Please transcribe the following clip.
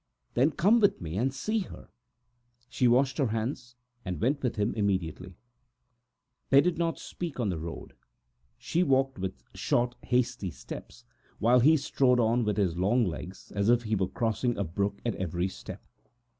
"Then come with me and see her." She washed her hands, and went with him immediately. They did not speak on the road; she walked with short, hasty steps, while he strode on with his long legs, as if he were crossing a brook at every step.